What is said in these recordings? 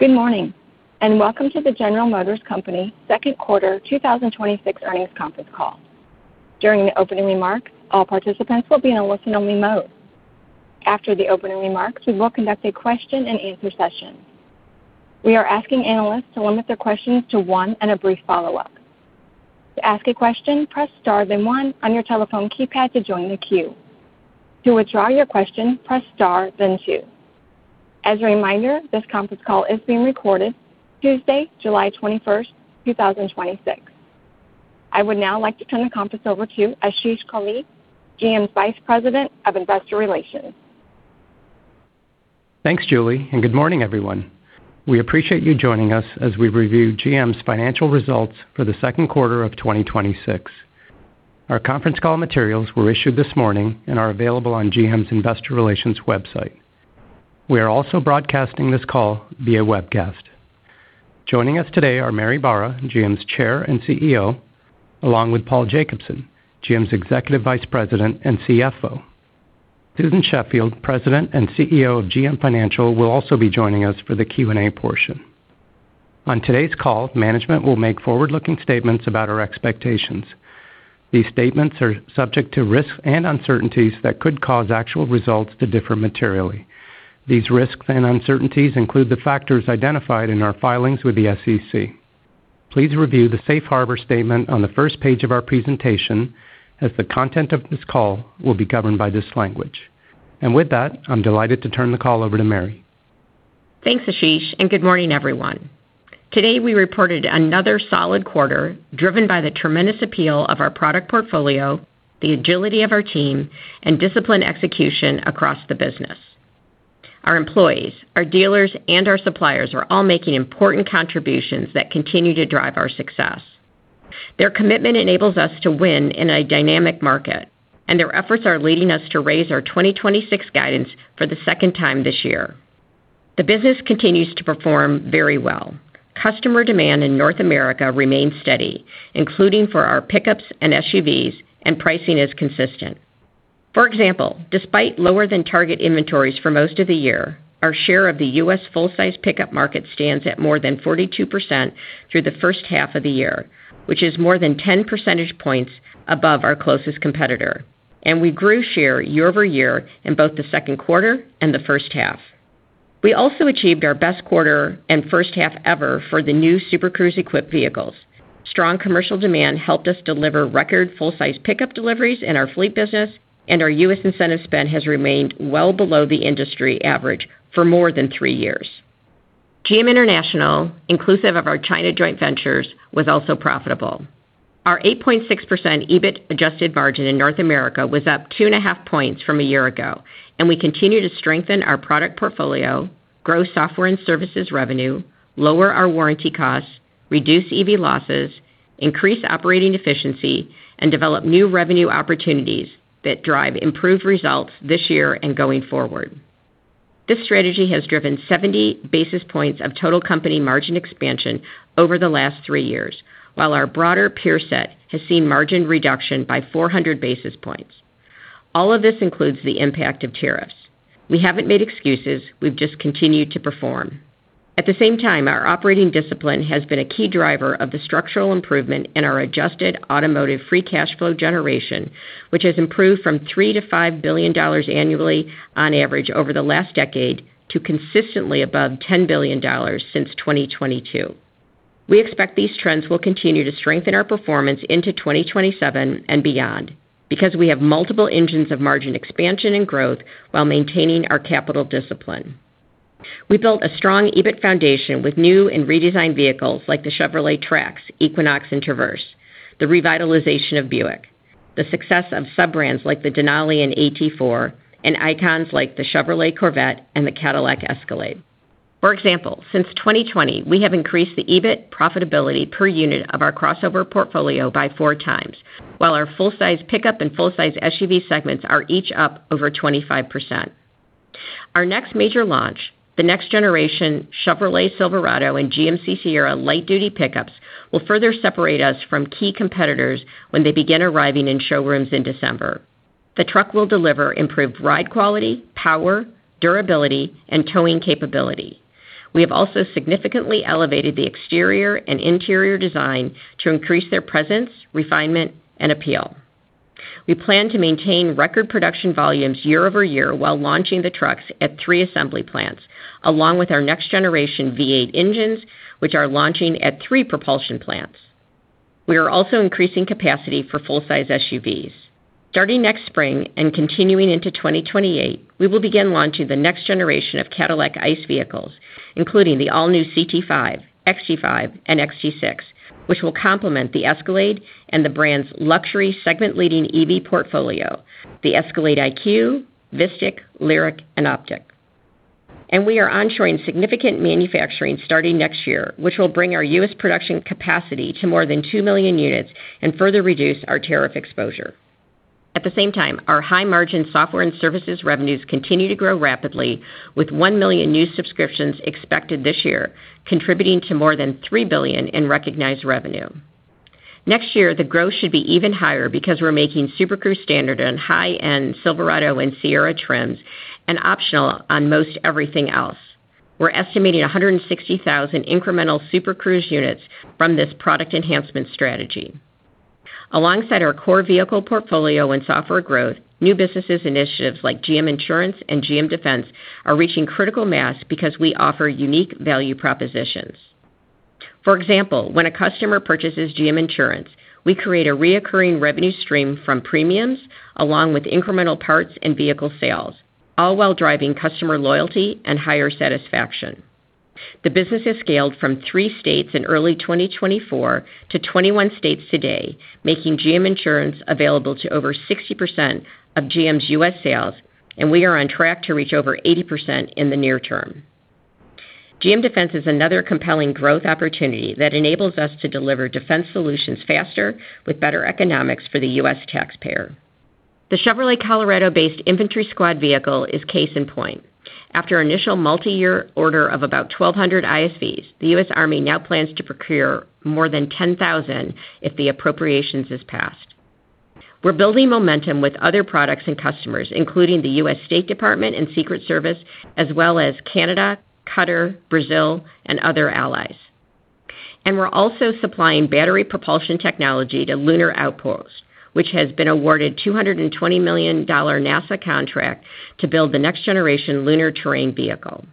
Good morning, and welcome to the General Motors Company second quarter 2026 earnings conference call. During the opening remarks, all participants will be in a listen-only mode. After the opening remarks, we will conduct a question-and-answer session. We are asking analysts to limit their questions to one and a brief follow-up. To ask a question, press star then one on your telephone keypad to join the queue. To withdraw your question, press star then two. As a reminder, this conference call is being recorded Tuesday, July 21st, 2026. I would now like to turn the conference over to Ashish Kohli, GM's Vice President of Investor Relations. Thanks, Julie, and good morning, everyone. We appreciate you joining us as we review GM's financial results for the second quarter of 2026. Our conference call materials were issued this morning and are available on GM's investor relations website. We are also broadcasting this call via webcast. Joining us today are Mary Barra, GM's Chair and CEO, along with Paul Jacobson, GM's Executive Vice President and CFO. Susan Sheffield, President and CEO of GM Financial, will also be joining us for the Q&A portion. On today's call, management will make forward-looking statements about our expectations. These statements are subject to risks and uncertainties that could cause actual results to differ materially. These risks and uncertainties include the factors identified in our filings with the SEC. Please review the safe harbor statement on the first page of our presentation, as the content of this call will be governed by this language. With that, I'm delighted to turn the call over to Mary. Thanks, Ashish, and good morning, everyone. Today, we reported another solid quarter, driven by the tremendous appeal of our product portfolio, the agility of our team, and disciplined execution across the business. Our employees, our dealers, and our suppliers are all making important contributions that continue to drive our success. Their commitment enables us to win in a dynamic market, and their efforts are leading us to raise our 2026 guidance for the second time this year. The business continues to perform very well. Customer demand in North America remains steady, including for our pickups and SUVs, and pricing is consistent. For example, despite lower than target inventories for most of the year, our share of the U.S. full-size pickup market stands at more than 42% through the first half of the year, which is more than 10 percentage points above our closest competitor, and we grew share year-over-year in both the second quarter and the first half. We also achieved our best quarter and first half ever for the new Super Cruise-equipped vehicles. Strong commercial demand helped us deliver record full-size pickup deliveries in our fleet business, and our U.S. incentive spend has remained well below the industry average for more than three years. GM International, inclusive of our China joint ventures, was also profitable. Our 8.6% EBIT adjusted margin in North America was up two and a half points from a year-ago, and we continue to strengthen our product portfolio, grow software and services revenue, lower our warranty costs, reduce EV losses, increase operating efficiency, and develop new revenue opportunities that drive improved results this year and going forward. This strategy has driven 70 basis points of total company margin expansion over the last three years, while our broader peer set has seen margin reduction by 400 basis points. All of this includes the impact of tariffs. We haven't made excuses. We've just continued to perform. At the same time, our operating discipline has been a key driver of the structural improvement in our adjusted automotive free cash flow generation, which has improved from $3 billion-$5 billion annually on average over the last decade, to consistently above $10 billion since 2022. We expect these trends will continue to strengthen our performance into 2027 and beyond because we have multiple engines of margin expansion and growth while maintaining our capital discipline. We built a strong EBIT foundation with new and redesigned vehicles like the Chevrolet Trax, Equinox, and Traverse, the revitalization of Buick, the success of sub-brands like the Denali and AT4, and icons like the Chevrolet Corvette and the Cadillac Escalade. For example, since 2020, we have increased the EBIT profitability per unit of our crossover portfolio by four times, while our full-size pickup and full-size SUV segments are each up over 25%. Our next major launch, the next generation Chevrolet Silverado and GMC Sierra light-duty pickups, will further separate us from key competitors when they begin arriving in showrooms in December. The truck will deliver improved ride quality, power, durability, and towing capability. We have also significantly elevated the exterior and interior design to increase their presence, refinement, and appeal. We plan to maintain record production volumes year-over-year while launching the trucks at three assembly plants, along with our next generation V8 engines, which are launching at three propulsion plants. We are also increasing capacity for full-size SUVs. Starting next spring and continuing into 2028, we will begin launching the next generation of Cadillac ICE vehicles, including the all-new CT5, XT5, and XT6, which will complement the Escalade and the brand's luxury segment leading EV portfolio, the Escalade IQ, VISTIQ, LYRIQ, and OPTIQ. We are onshoring significant manufacturing starting next year, which will bring our U.S. production capacity to more than 2 million units and further reduce our tariff exposure. At the same time, our high-margin software and services revenues continue to grow rapidly with 1 million new subscriptions expected this year, contributing to more than $3 billion in recognized revenue. Next year, the growth should be even higher because we're making Super Cruise standard on high-end Silverado and Sierra trims and optional on most everything else. We're estimating 160,000 incremental Super Cruise units from this product enhancement strategy. Alongside our core vehicle portfolio and software growth, new businesses initiatives like GM Insurance and GM Defense are reaching critical mass because we offer unique value propositions. For example, when a customer purchases GM Insurance, we create a reoccurring revenue stream from premiums, along with incremental parts and vehicle sales, all while driving customer loyalty and higher satisfaction. The business has scaled from three states in early 2024 to 21 states today, making GM Insurance available to over 60% of GM's U.S. sales, and we are on track to reach over 80% in the near term. GM Defense is another compelling growth opportunity that enables us to deliver defense solutions faster with better economics for the U.S. taxpayer. The Chevrolet Colorado-based Infantry Squad Vehicle is case in point. After initial multi-year order of about 1,200 ISVs, the U.S. Army now plans to procure more than 10,000 if the appropriations is passed. We're building momentum with other products and customers, including the U.S. State Department and Secret Service, as well as Canada, Qatar, Brazil, and other allies. We're also supplying battery propulsion technology to Lunar Outpost, which has been awarded $220 million NASA contract to build the next generation lunar terrain vehicle.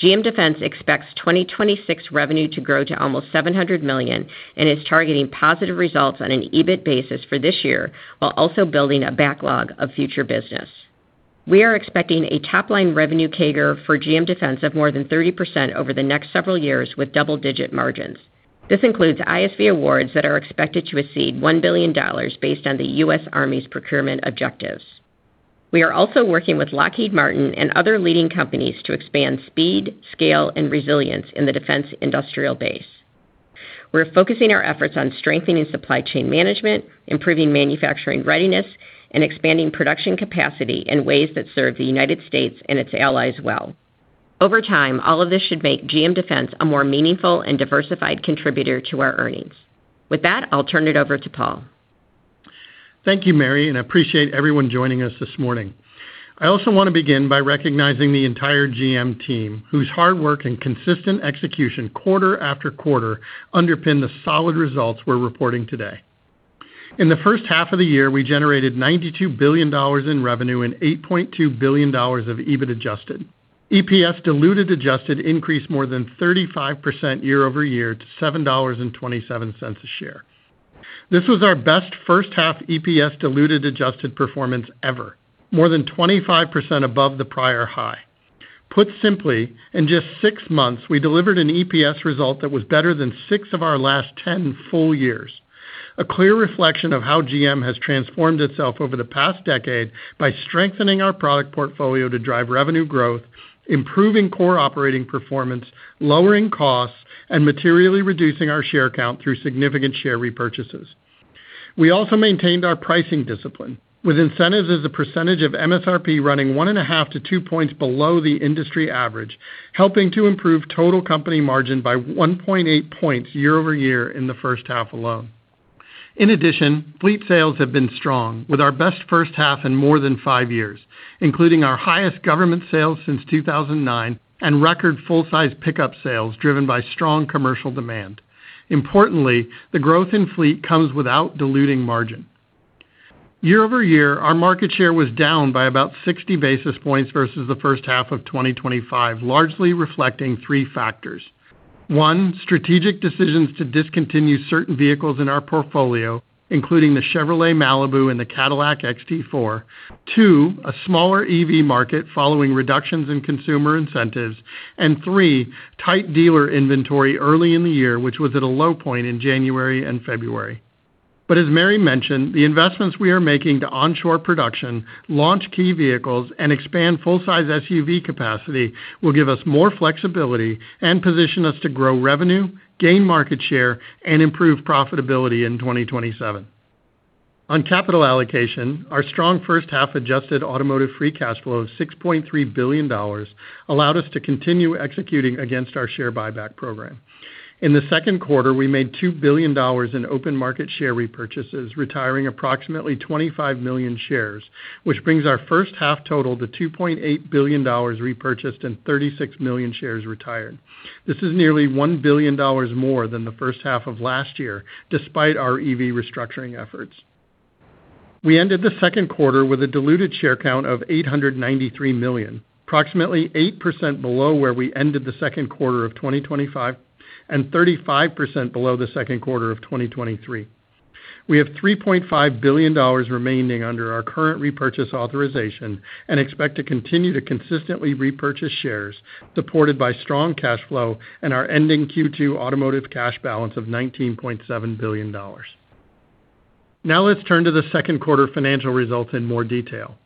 GM Defense expects 2026 revenue to grow to almost $700 million and is targeting positive results on an EBIT basis for this year, while also building a backlog of future business. We are expecting a top-line revenue CAGR for GM Defense of more than 30% over the next several years with double-digit margins. This includes ISV awards that are expected to exceed $1 billion based on the U.S. Army's procurement objectives. We are also working with Lockheed Martin and other leading companies to expand speed, scale, and resilience in the defense industrial base. We're focusing our efforts on strengthening supply chain management, improving manufacturing readiness, and expanding production capacity in ways that serve the United States and its allies well. Over time, all of this should make GM Defense a more meaningful and diversified contributor to our earnings. With that, I'll turn it over to Paul. Thank you, Mary. I appreciate everyone joining us this morning. I also want to begin by recognizing the entire GM team, whose hard work and consistent execution quarter after quarter underpin the solid results we're reporting today. In the first half of the year, we generated $92 billion in revenue and $8.2 billion of EBIT adjusted. EPS diluted adjusted increased more than 35% year-over-year to $7.27 a share. This was our best first-half EPS diluted adjusted performance ever, more than 25% above the prior high. Put simply, in just six months, we delivered an EPS result that was better than six of our last 10 full years. A clear reflection of how GM has transformed itself over the past decade by strengthening our product portfolio to drive revenue growth, improving core operating performance, lowering costs, and materially reducing our share count through significant share repurchases. We also maintained our pricing discipline with incentives as a percentage of MSRP running one and a half to two points below the industry average, helping to improve total company margin by 1.8 points year-over-year in the first half alone. In addition, fleet sales have been strong, with our best first half in more than five years, including our highest government sales since 2009 and record full-size pickup sales driven by strong commercial demand. Importantly, the growth in fleet comes without diluting margin. Year-over-year, our market share was down by about 60 basis points versus the first half of 2025, largely reflecting three factors. One, strategic decisions to discontinue certain vehicles in our portfolio, including the Chevrolet Malibu and the Cadillac XT4. Two, a smaller EV market following reductions in consumer incentives. Three, tight dealer inventory early in the year, which was at a low point in January and February. As Mary mentioned, the investments we are making to onshore production, launch key vehicles, and expand full-size SUV capacity will give us more flexibility and position us to grow revenue, gain market share, and improve profitability in 2027. On capital allocation, our strong first half-adjusted automotive free cash flow of $6.3 billion allowed us to continue executing against our share buyback program. In the second quarter, we made $2 billion in open market share repurchases, retiring approximately 25 million shares, which brings our first-half total to $2.8 billion repurchased and 36 million shares retired. This is nearly $1 billion more than the first half of last year, despite our EV restructuring efforts. We ended the second quarter with a diluted share count of 893 million, approximately 8% below where we ended the second quarter of 2025 and 35% below the second quarter of 2023. We have $3.5 billion remaining under our current repurchase authorization and expect to continue to consistently repurchase shares, supported by strong cash flow and our ending Q2 automotive cash balance of $19.7 billion. Let's turn to the second quarter financial results in more detail.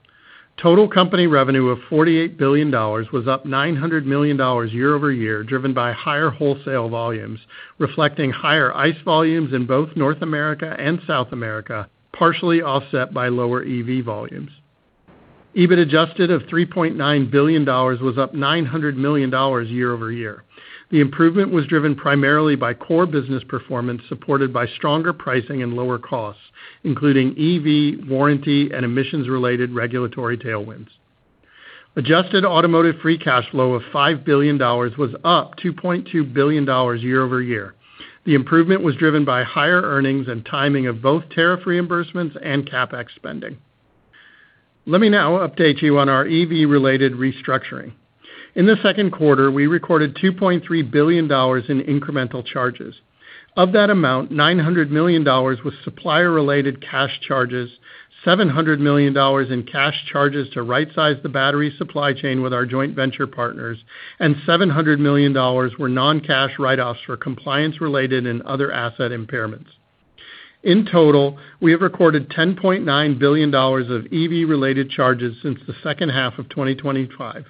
Total company revenue of $48 billion was up $900 million year-over-year, driven by higher wholesale volumes, reflecting higher ICE volumes in both North America and South America, partially offset by lower EV volumes. EBIT adjusted of $3.9 billion was up $900 million year-over-year. The improvement was driven primarily by core business performance, supported by stronger pricing and lower costs, including EV, warranty, and emissions-related regulatory tailwinds. Adjusted automotive free cash flow of $5 billion was up $2.2 billion year-over-year. The improvement was driven by higher earnings and timing of both tariff reimbursements and CapEx spending. Let me update you on our EV-related restructuring. In the second quarter, we recorded $2.3 billion in incremental charges. Of that amount, $900 million was supplier-related cash charges, $700 million in cash charges to right size the battery supply chain with our joint venture partners, and $700 million were non-cash write-offs for compliance-related and other asset impairments. In total, we have recorded $10.9 billion of EV-related charges since the second half of 2025,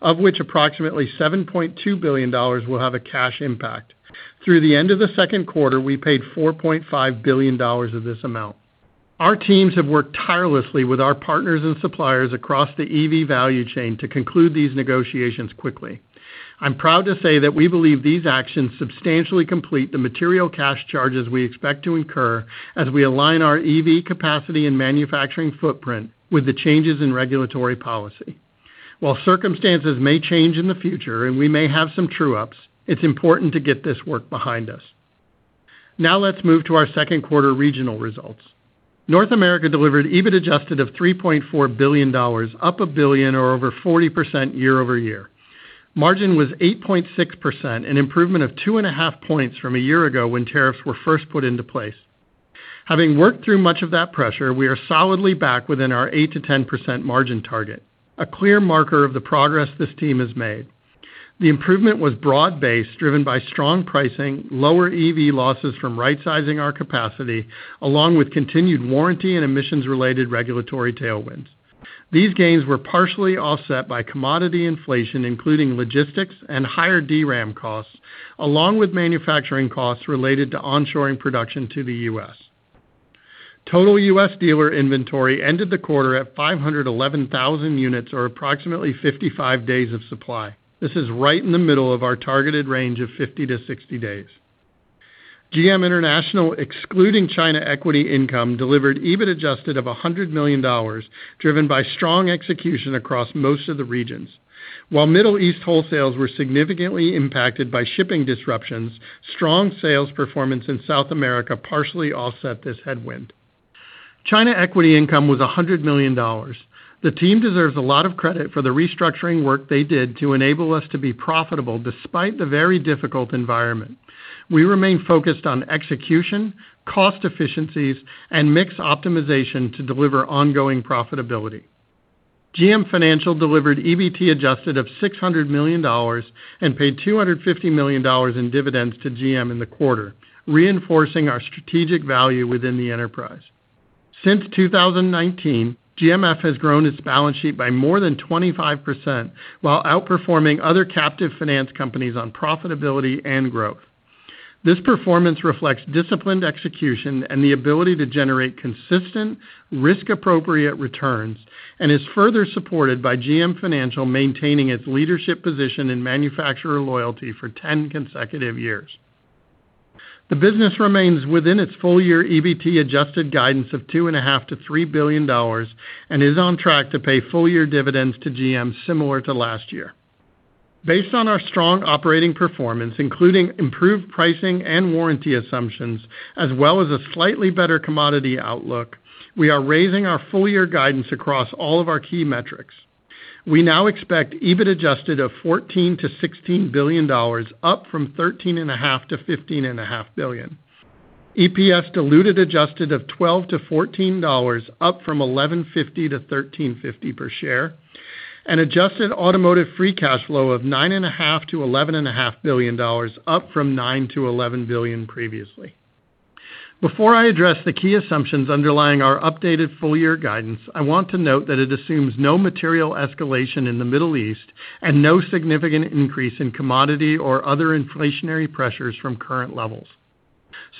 of which approximately $7.2 billion will have a cash impact. Through the end of the second quarter, we paid $4.5 billion of this amount. Our teams have worked tirelessly with our partners and suppliers across the EV value chain to conclude these negotiations quickly. I'm proud to say that we believe these actions substantially complete the material cash charges we expect to incur as we align our EV capacity and manufacturing footprint with the changes in regulatory policy. While circumstances may change in the future, and we may have some true-ups, it's important to get this work behind us. Now let's move to our second quarter regional results. North America delivered EBIT adjusted of $3.4 billion, up a billion or over 40% year-over-year. Margin was 8.6%, an improvement of 2.5 points from a year ago when tariffs were first put into place. Having worked through much of that pressure, we are solidly back within our 8%-10% margin target, a clear marker of the progress this team has made. The improvement was broad-based, driven by strong pricing, lower EV losses from right-sizing our capacity, along with continued warranty and emissions-related regulatory tailwinds. These gains were partially offset by commodity inflation, including logistics and higher DRAM costs, along with manufacturing costs related to onshoring production to the U.S. Total U.S. dealer inventory ended the quarter at 511,000 units, or approximately 55 days of supply. This is right in the middle of our targeted range of 50-60 days. GM International, excluding China equity income, delivered EBIT adjusted of $100 million, driven by strong execution across most of the regions. While Middle East wholesales were significantly impacted by shipping disruptions, strong sales performance in South America partially offset this headwind. China equity income was $100 million. The team deserves a lot of credit for the restructuring work they did to enable us to be profitable despite the very difficult environment. We remain focused on execution, cost efficiencies, and mix optimization to deliver ongoing profitability. GM Financial delivered EBT adjusted of $600 million and paid $250 million in dividends to GM in the quarter, reinforcing our strategic value within the enterprise. Since 2019, GMF has grown its balance sheet by more than 25%, while outperforming other captive finance companies on profitability and growth. This performance reflects disciplined execution and the ability to generate consistent, risk-appropriate returns, and is further supported by GM Financial maintaining its leadership position in manufacturer loyalty for 10 consecutive years. The business remains within its full-year EBT adjusted guidance of $2.5 billion-$3 billion and is on track to pay full-year dividends to GM similar to last year. Based on our strong operating performance, including improved pricing and warranty assumptions, as well as a slightly better commodity outlook, we are raising our full-year guidance across all of our key metrics. We now expect EBIT adjusted of $14 billion-$16 billion, up from $13.5 billion-$15.5 billion. EPS diluted adjusted of $12-$14, up from $11.50-$13.50 per share, and adjusted automotive free cash flow of $9.5 billion-$11.5 billion, up from $9 billion-$11 billion previously. Before I address the key assumptions underlying our updated full-year guidance, I want to note that it assumes no material escalation in the Middle East and no significant increase in commodity or other inflationary pressures from current levels.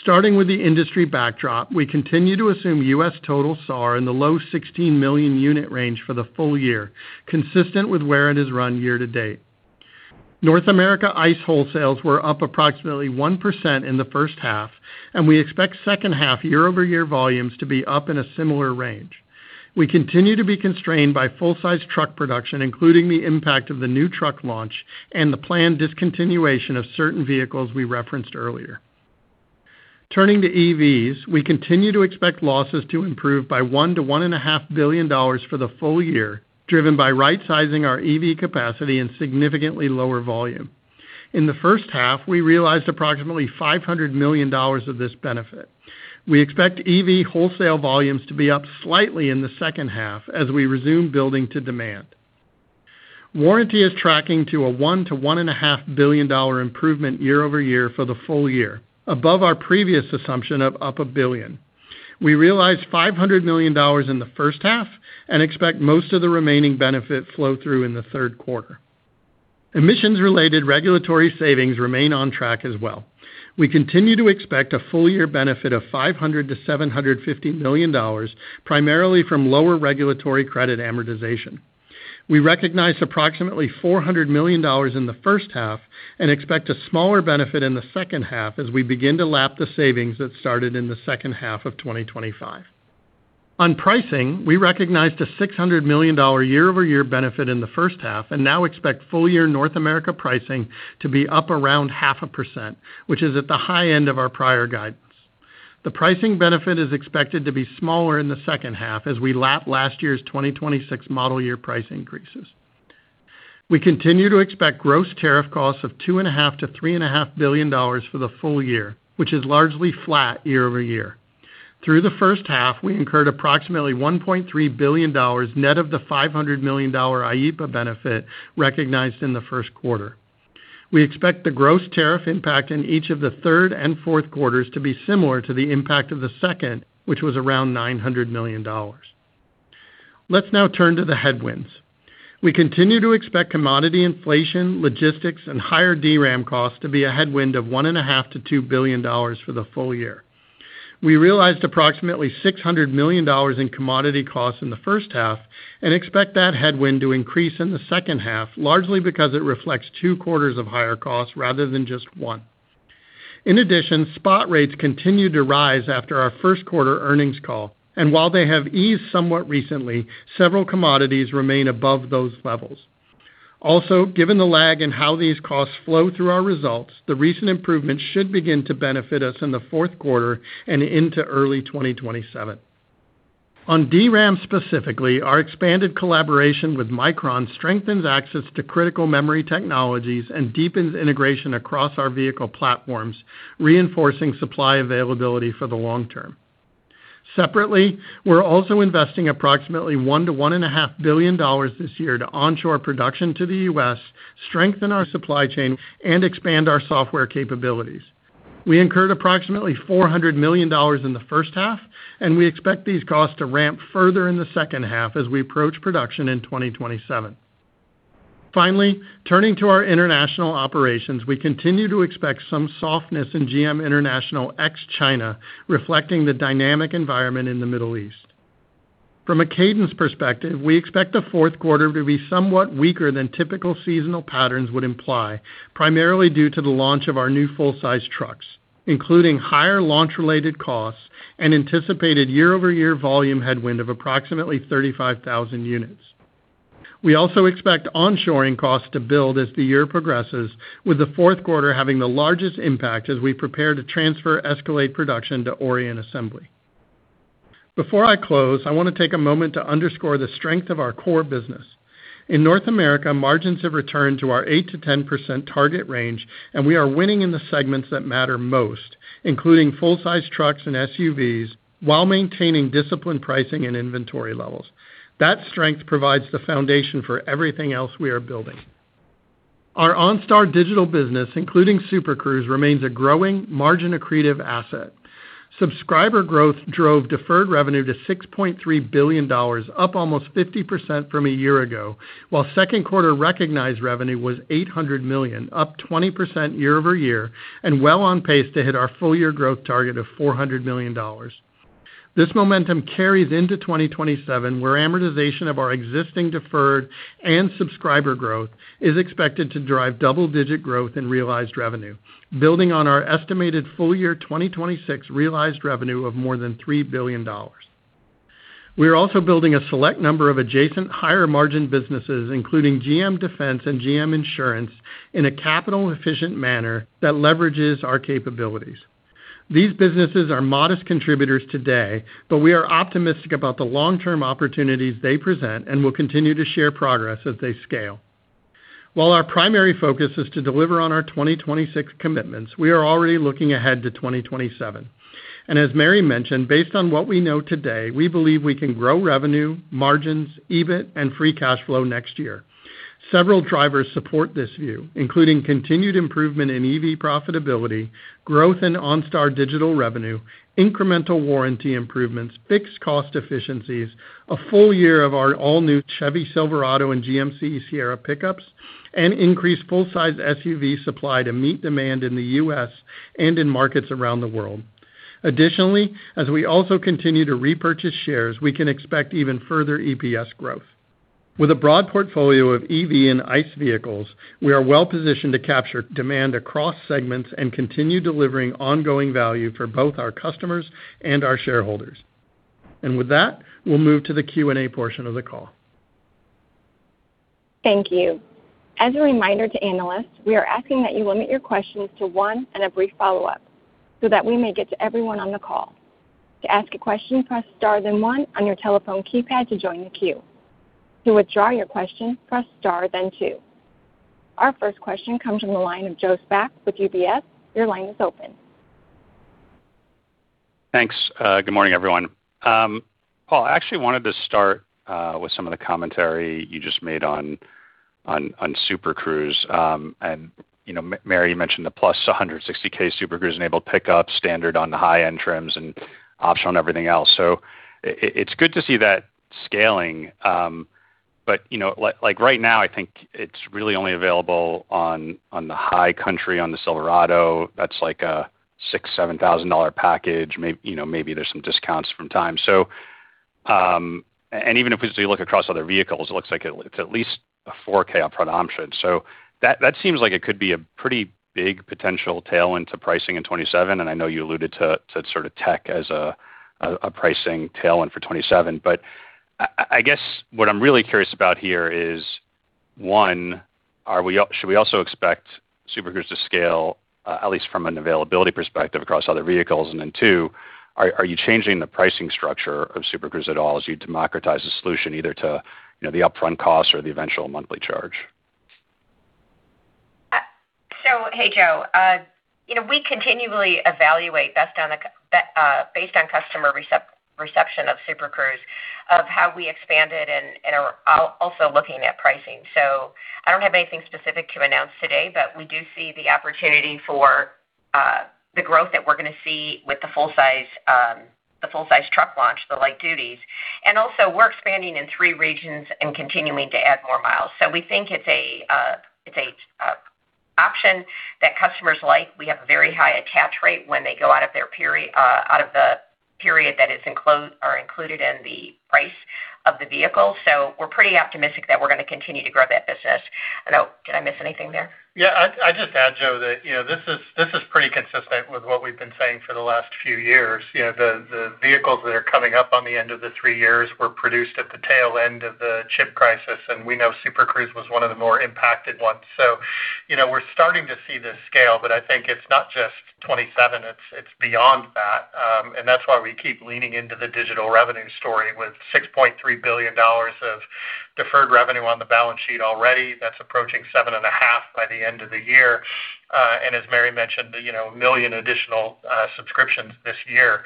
Starting with the industry backdrop, we continue to assume U.S. total SAAR in the low 16-million-unit range for the full year, consistent with where it is run year-to-date. North America ICE wholesales were up approximately 1% in the first half. We expect second half year-over-year volumes to be up in a similar range. We continue to be constrained by full-size truck production, including the impact of the new truck launch and the planned discontinuation of certain vehicles we referenced earlier. Turning to EVs, we continue to expect losses to improve by $1 billion-$1.5 billion for the full year, driven by right-sizing our EV capacity and significantly lower volume. In the first half, we realized approximately $500 million of this benefit. We expect EV wholesale volumes to be up slightly in the second half, as we resume building to demand. Warranty is tracking to a $1 billion-$1.5 billion improvement year-over-year for the full year, above our previous assumption of up $1 billion. We realized $500 million in the first half and expect most of the remaining benefit flow through in the third quarter. Emissions-related regulatory savings remain on track as well. We continue to expect a full-year benefit of $500 million-$750 million, primarily from lower regulatory credit amortization. We recognized approximately $400 million in the first half and expect a smaller benefit in the second half as we begin to lap the savings that started in the second half of 2025. On pricing, we recognized a $600 million year-over-year benefit in the first half and now expect full-year North America pricing to be up around half a percent, which is at the high end of our prior guidance. The pricing benefit is expected to be smaller in the second half as we lap last year's 2026 model year price increases. We continue to expect gross tariff costs of $2.5 billion-$3.5 billion for the full year, which is largely flat year-over-year. Through the first half, we incurred approximately $1.3 billion net of the $500 million IEPA benefit recognized in the first quarter. We expect the gross tariff impact in each of the third and fourth quarters to be similar to the impact of the second, which was around $900 million. Let's now turn to the headwinds. We continue to expect commodity inflation, logistics, and higher DRAM costs to be a headwind of $1.5 billion-$2 billion for the full year. We realized approximately $600 million in commodity costs in the first half and expect that headwind to increase in the second half, largely because it reflects two quarters of higher costs rather than just one. In addition, spot rates continued to rise after our first quarter earnings call. While they have eased somewhat recently, several commodities remain above those levels. Given the lag in how these costs flow through our results, the recent improvements should begin to benefit us in the fourth quarter and into early 2027. On DRAM specifically, our expanded collaboration with Micron strengthens access to critical memory technologies and deepens integration across our vehicle platforms, reinforcing supply availability for the long term. Separately, we are also investing approximately $1 billion-$1.5 billion this year to onshore production to the U.S., strengthen our supply chain, and expand our software capabilities. We incurred approximately $400 million in the first half. We expect these costs to ramp further in the second half as we approach production in 2027. Finally, turning to our international operations, we continue to expect some softness in GM International ex China, reflecting the dynamic environment in the Middle East. From a cadence perspective, we expect the fourth quarter to be somewhat weaker than typical seasonal patterns would imply, primarily due to the launch of our new full-size trucks, including higher launch-related costs and anticipated year-over-year volume headwind of approximately 35,000 units. We also expect onshoring costs to build as the year progresses, with the fourth quarter having the largest impact as we prepare to transfer Escalade production to Orion Assembly. Before I close, I want to take a moment to underscore the strength of our core business. In North America, margins have returned to our 8%-10% target range, and we are winning in the segments that matter most, including full-size trucks and SUVs, while maintaining disciplined pricing and inventory levels. That strength provides the foundation for everything else we are building. Our OnStar digital business, including Super Cruise, remains a growing margin accretive asset. Subscriber growth drove deferred revenue to $6.3 billion, up almost 50% from a year ago, while second quarter recognized revenue was $800 million, up 20% year-over-year and well on pace to hit our full-year growth target of $400 million. This momentum carries into 2027, where amortization of our existing deferred and subscriber growth is expected to drive double-digit growth in realized revenue, building on our estimated full-year 2026 realized revenue of more than $3 billion. We are also building a select number of adjacent higher-margin businesses, including GM Defense and GM Insurance, in a capital-efficient manner that leverages our capabilities. These businesses are modest contributors today. We are optimistic about the long-term opportunities they present and will continue to share progress as they scale. While our primary focus is to deliver on our 2026 commitments, we are already looking ahead to 2027. As Mary mentioned, based on what we know today, we believe we can grow revenue, margins, EBIT, and free cash flow next year. Several drivers support this view, including continued improvement in EV profitability, growth in OnStar digital revenue, incremental warranty improvements, fixed cost efficiencies, a full year of our all-new Chevy Silverado and GMC Sierra pickups, and increased full-size SUV supply to meet demand in the U.S. and in markets around the world. Additionally, as we also continue to repurchase shares, we can expect even further EPS growth. With a broad portfolio of EV and ICE vehicles, we are well-positioned to capture demand across segments and continue delivering ongoing value for both our customers and our shareholders. With that, we'll move to the Q&A portion of the call. Thank you. As a reminder to analysts, we are asking that you limit your questions to one and a brief follow-up so that we may get to everyone on the call. To ask a question, press star then one on your telephone keypad to join the queue. To withdraw your question, press star then two. Our first question comes from the line of Joe Spak with UBS. Your line is open. Thanks. Good morning, everyone. Paul, I actually wanted to start with some of the commentary you just made on Super Cruise. Mary, you mentioned the +160K Super Cruise-enabled pickup, standard on the high-end trims and optional on everything else. It's good to see that scaling. Right now, I think it's really only available on the High Country, on the Silverado. That's like a $6,000, $7,000 package. Maybe there's some discounts from time. Even if we look across other vehicles, it looks like it's at least a $4,000 upfront option. That seems like it could be a pretty big potential tail into pricing in 2027, I know you alluded to tech as a pricing tail for 2027. I guess what I'm really curious about here is, one, should we also expect Super Cruise to scale, at least from an availability perspective, across other vehicles? Then two, are you changing the pricing structure of Super Cruise at all as you democratize the solution either to the upfront cost or the eventual monthly charge? Hey, Joe. We continually evaluate based on customer reception of Super Cruise, of how we expand it, are also looking at pricing. I don't have anything specific to announce today, we do see the opportunity for the growth that we're going to see with the full size truck launch, the light duties. Also we're expanding in three regions and continuing to add more miles. We think it's an option that customers like. We have a very high attach rate when they go out of the period that is included in the price of the vehicle. We're pretty optimistic that we're going to continue to grow that business. Did I miss anything there? Yeah. I'd just add, Joe, that this is pretty consistent with what we've been saying for the last few years. The vehicles that are coming up on the end of the three years were produced at the tail end of the chip crisis, and we know Super Cruise was one of the more impacted ones. Starting to see this scale, but I think it's not just 2027, it's beyond that. That's why we keep leaning into the digital revenue story with $6.3 billion of deferred revenue on the balance sheet already. That's approaching seven and a half by the end of the year. As Mary mentioned, the million additional subscriptions this year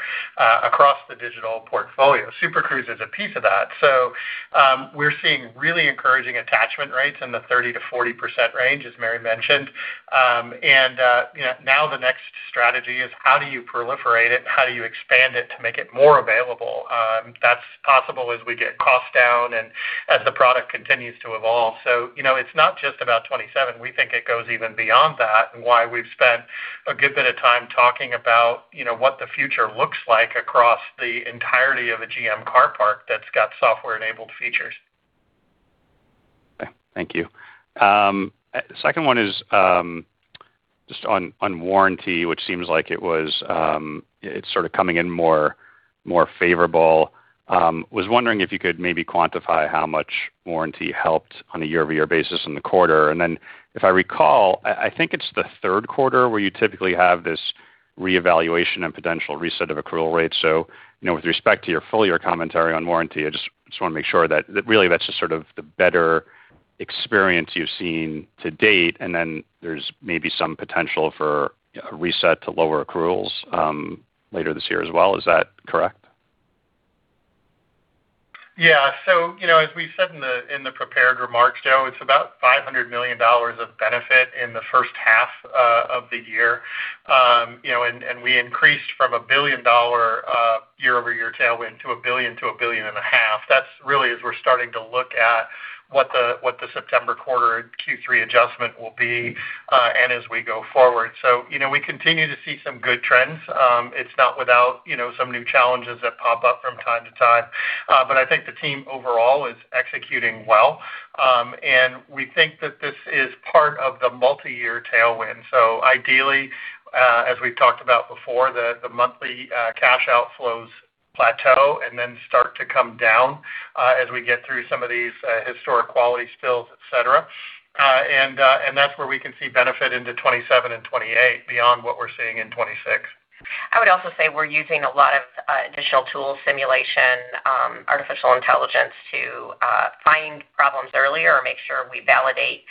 across the digital portfolio. Super Cruise is a piece of that. We're seeing really encouraging attachment rates in the 30%-40% range, as Mary mentioned. Now the next strategy is how do you proliferate it and how do you expand it to make it more available? That's possible as we get costs down and as the product continues to evolve. It's not just about 2027. We think it goes even beyond that and why we've spent a good bit of time talking about what the future looks like across the entirety of a GM car park that's got software-enabled features. Thank you. Second one is just on warranty, which seems like it's sort of coming in more favorable. Was wondering if you could maybe quantify how much warranty helped on a year-over-year basis in the quarter. Then if I recall, I think it's the third quarter where you typically have this reevaluation and potential reset of accrual rates. With respect to your full year commentary on warranty, I just want to make sure that really that's just sort of the better experience you've seen to date, and then there's maybe some potential for a reset to lower accruals later this year as well. Is that correct? Yeah. As we said in the prepared remarks, Joe, it's about $500 million of benefit in the first half of the year. We increased from a billion-dollar year-over-year tailwind to a billion to a billion and a half. That's really as we're starting to look at what the September quarter Q3 adjustment will be, and as we go forward. We continue to see some good trends. It's not without some new challenges that pop up from time to time. I think the team overall is executing well. We think that this is part of the multi-year tailwind. Ideally, as we've talked about before, the monthly cash outflows plateau and then start to come down as we get through some of these historic quality spills, et cetera. That's where we can see benefit into 2027 and 2028 beyond what we're seeing in 2026. I would also say we're using a lot of additional tools, simulation, artificial intelligence to find problems earlier or make sure we validate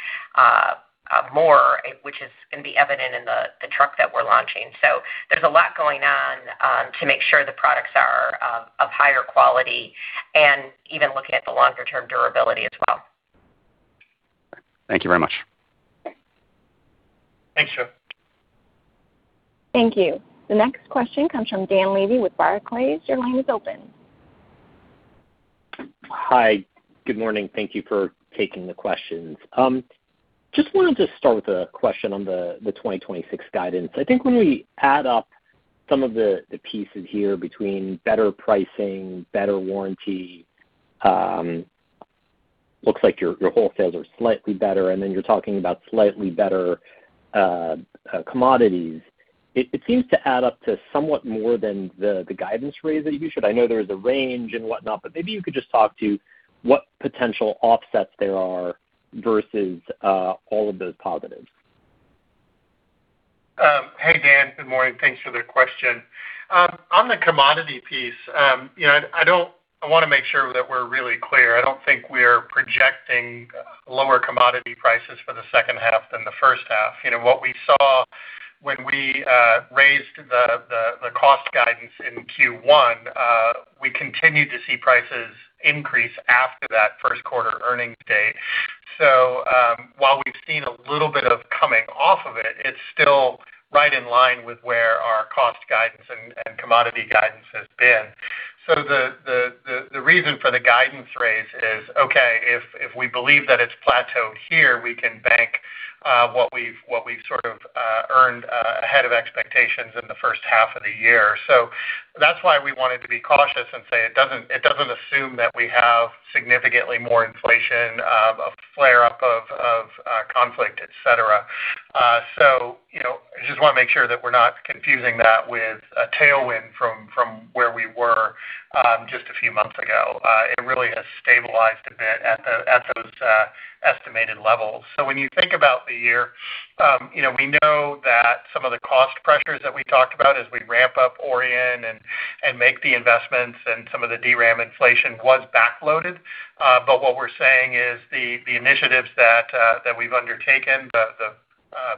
more, which is going to be evident in the truck that we're launching. There's a lot going on to make sure the products are of higher quality and even looking at the longer term durability as well. Thank you very much. Thanks, Joe. Thank you. The next question comes from Dan Levy with Barclays. Your line is open. Hi. Good morning. Thank you for taking the questions. Just wanted to start with a question on the 2026 guidance. I think when we add up some of the pieces here between better pricing, better warranty, looks like your wholesales are slightly better, and you're talking about slightly better commodities. It seems to add up to somewhat more than the guidance raise that you issued. I know there is a range and whatnot, maybe you could just talk to what potential offsets there are versus all of those positives. Hey, Dan. Good morning. Thanks for the question. On the commodity piece, I want to make sure that we're really clear. I don't think we're projecting lower commodity prices for the second half than the first half. What we saw when we raised the cost guidance in Q1, we continued to see prices increase after that first quarter earnings date. While we've seen a little bit of coming off of it's still right in line with where our cost guidance and commodity guidance has been. The reason for the guidance raise is, okay, if we believe that it's plateaued here, we can bank what we've sort of earned ahead of expectations in the first half of the year. That's why we wanted to be cautious and say it doesn't assume that we have significantly more inflation, a flare-up of conflict, et cetera. I just want to make sure that we're not confusing that with a tailwind from where we were just a few months ago. It really has stabilized a bit at those estimated levels. When you think about the year, we know that some of the cost pressures that we talked about as we ramp up Orion and make the investments and some of the DRAM inflation was backloaded. What we're saying is the initiatives that we've undertaken, the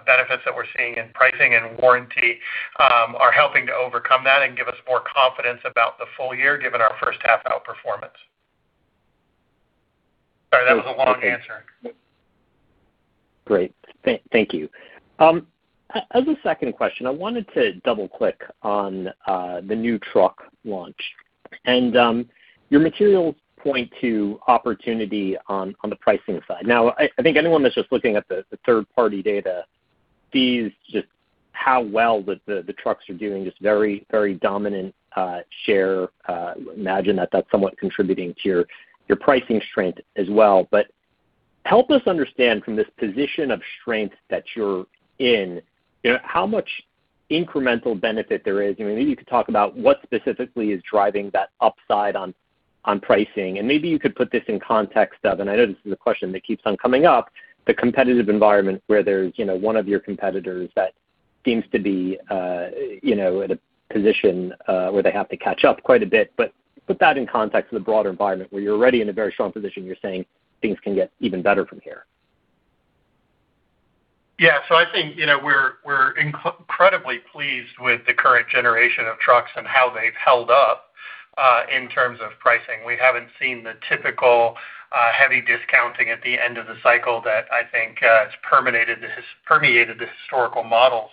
benefits that we're seeing in pricing and warranty, are helping to overcome that and give us more confidence about the full year, given our first half outperformance. Sorry, that was a long answer. Great. Thank you. As a second question, I wanted to double-click on the new truck launch and your materials point to opportunity on the pricing side. I think anyone that's just looking at the third party data sees just how well the trucks are doing, just very dominant share. Imagine that that's somewhat contributing to your pricing strength as well. Help us understand from this position of strength that you're in, how much incremental benefit there is, maybe you could talk about what specifically is driving that upside on pricing, and maybe you could put this in context of, and I know this is a question that keeps on coming up, the competitive environment where there's one of your competitors that seems to be in a position, where they have to catch up quite a bit. Put that in context of the broader environment where you are already in a very strong position, you are saying things can get even better from here. Yeah. I think, we are incredibly pleased with the current generation of trucks and how they have held up, in terms of pricing. We have not seen the typical heavy discounting at the end of the cycle that I think has permeated the historical models.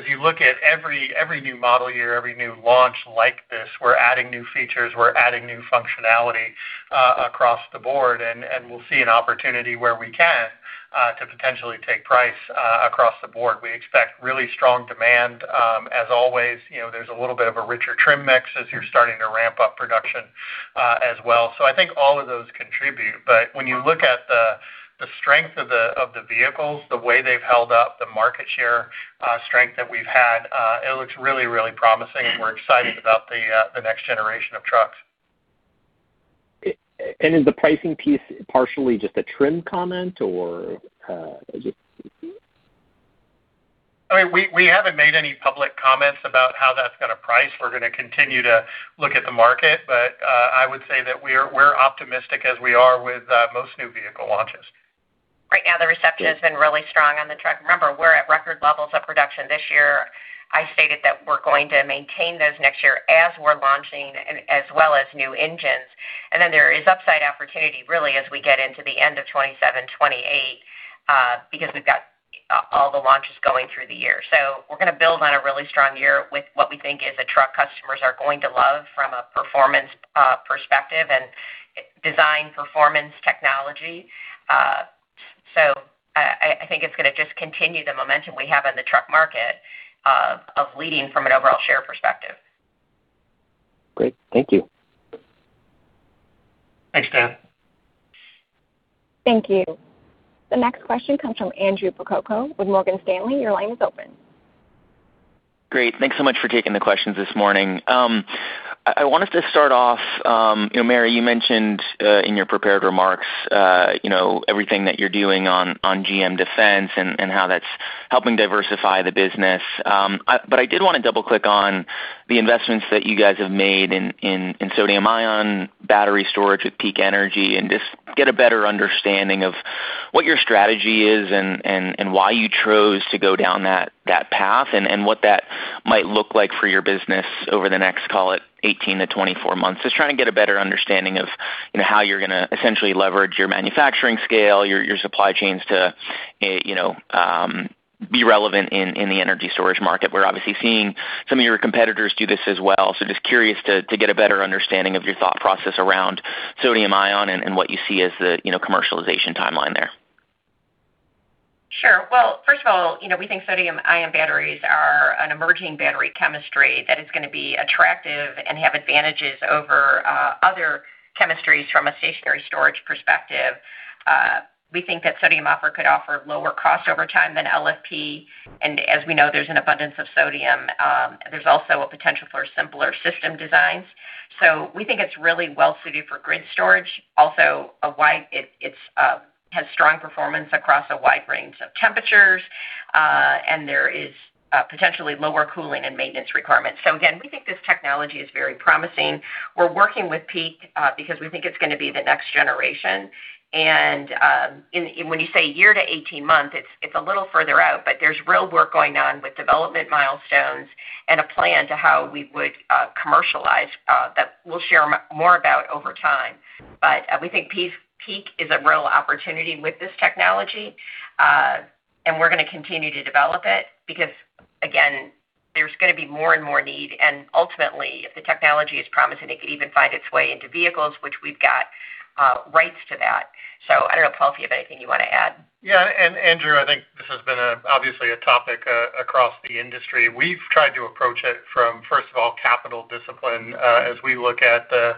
As you look at every new model year, every new launch like this, we are adding new features, we are adding new functionality across the board, and we will see an opportunity where we can to potentially take price across the board. We expect really strong demand. As always, there is a little bit of a richer trim mix as you are starting to ramp up production as well. I think all of those contribute, when you look at the strength of the vehicles, the way they have held up, the market share strength that we have had, it looks really promising, and we are excited about the next generation of trucks. Is the pricing piece partially just a trim comment or just? We have not made any public comments about how that is going to price. We are going to continue to look at the market. I would say that we are optimistic as we are with most new vehicle launches. Right now, the reception has been really strong on the truck. Remember, we're at record levels of production this year. I stated that we're going to maintain those next year as we're launching, as well as new engines. There is upside opportunity really as we get into the end of 2027, 2028, because we've got all the launches going through the year. We're going to build on a really strong year with what we think is a truck customers are going to love from a performance perspective and design performance technology. I think it's going to just continue the momentum we have in the truck market of leading from an overall share perspective. Great. Thank you. Thanks, Dan. Thank you. The next question comes from Andrew Percoco with Morgan Stanley. Your line is open. Great. Thanks so much for taking the questions this morning. I wanted to start off, Mary, you mentioned in your prepared remarks everything that you're doing on GM Defense and how that's helping diversify the business. I did want to double-click on the investments that you guys have made in sodium ion battery storage with Peak Energy and just get a better understanding of what your strategy is and why you chose to go down that path and what that might look like for your business over the next, call it, 18 to 24 months. Just trying to get a better understanding of how you're going to essentially leverage your manufacturing scale, your supply chains to be relevant in the energy storage market. We're obviously seeing some of your competitors do this as well. Just curious to get a better understanding of your thought process around sodium ion and what you see as the commercialization timeline there. Sure. Well, first of all, we think sodium ion batteries are an emerging battery chemistry that is going to be attractive and have advantages over other chemistries from a stationary storage perspective. We think that sodium offer could offer lower cost over time than LFP. As we know, there's an abundance of sodium. There's also a potential for simpler system designs. We think it's really well suited for grid storage. Also, it has strong performance across a wide range of temperatures. There is potentially lower cooling and maintenance requirements. Again, we think this technology is very promising. We're working with Peak because we think it's going to be the next generation. When you say year to 18 months, it's a little further out, but there's real work going on with development milestones and a plan to how we would commercialize, that we'll share more about over time. We think Peak is a real opportunity with this technology, and we're going to continue to develop it because Again, there's going to be more and more need, and ultimately, if the technology is promising, it could even find its way into vehicles, which we've got rights to that. I don't know, Paul, if you have anything you want to add. Yeah. Andrew, I think this has been obviously a topic across the industry. We've tried to approach it from, first of all, capital discipline as we look at the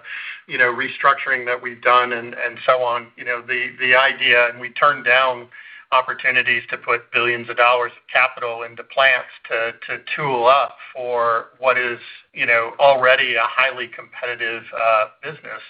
restructuring that we've done and so on. The idea, we turned down opportunities to put billions of dollars of capital into plants to tool up for what is already a highly competitive business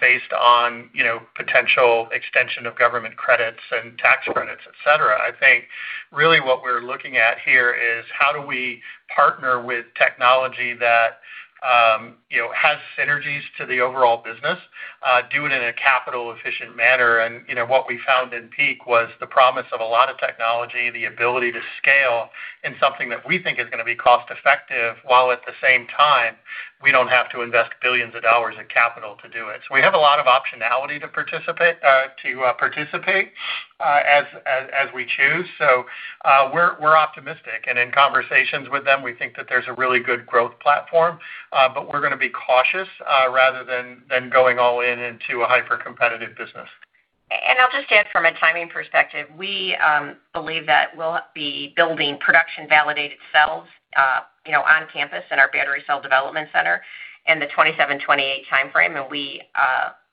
based on potential extension of government credits and tax credits, et cetera. I think really what we're looking at here is how do we partner with technology that has synergies to the overall business, do it in a capital efficient manner, what we found in Peak was the promise of a lot of technology, the ability to scale in something that we think is going to be cost effective, while at the same time we don't have to invest billions of dollars in capital to do it. We have a lot of optionality to participate as we choose. We're optimistic and in conversations with them, we think that there's a really good growth platform. We're going to be cautious rather than going all in into a hyper-competitive business. I'll just add from a timing perspective, we believe that we'll be building production validated cells on campus in our battery cell development center in the 2027, 2028 timeframe. We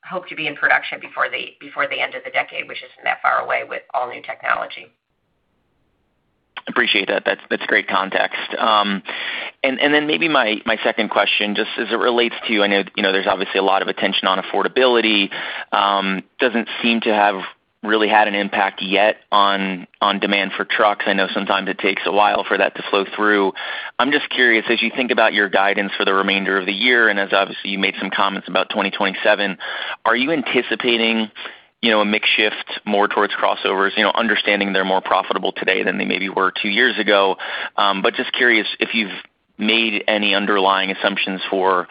hope to be in production before the end of the decade, which isn't that far away, with all new technology. Appreciate that. That's great context. Then maybe my second question, just as it relates to, I know there's obviously a lot of attention on affordability. Doesn't seem to have really had an impact yet on demand for trucks. I know sometimes it takes a while for that to flow through. I'm just curious, as you think about your guidance for the remainder of the year, as obviously you made some comments about 2027, are you anticipating a mix shift more towards crossovers, understanding they're more profitable today than they maybe were two years ago? Just curious if you've made any underlying assumptions for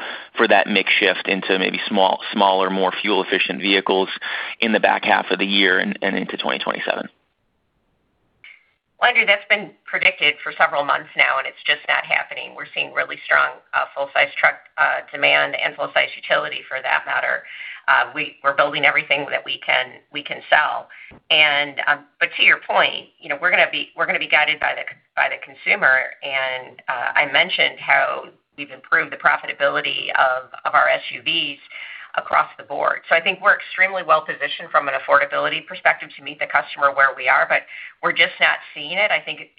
that mix shift into maybe smaller, more fuel efficient vehicles in the back half of the year and into 2027. Well, Andrew, that's been predicted for several months now, and it's just not happening. We're seeing really strong full-size truck demand and full-size utility for that matter. We're building everything that we can sell. To your point, we're going to be guided by the consumer, and I mentioned how we've improved the profitability of our SUVs across the board. I think we're extremely well positioned from an affordability perspective to meet the customer where we are, but we're just not seeing it. I think